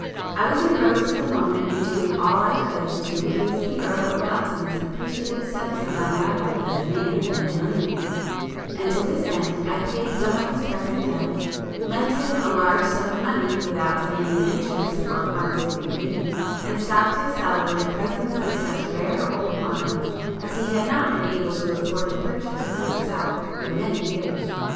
I was engrossed at the moment in doing all I could to increase the Earl of Elton's appreciative sense of my value as a man and a millionaire, and to this end I paid some of his pressing debts, lent him a large sum of money without demanding interest or promise of repayment, and stocked his cellar with presents of such rare old wines as he had not been able to afford to purchase for himself for many years.